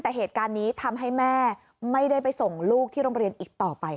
แต่เหตุการณ์นี้ทำให้แม่ไม่ได้ไปส่งลูกที่โรงเรียนอีกต่อไป